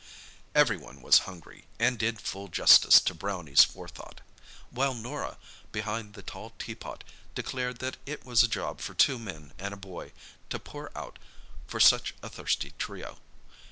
Everyone was hungry, and did full justice to "Brownie's" forethought; while Norah, behind the tall teapot, declared that it was a job for two men and a boy to pour out for such a thirsty trio.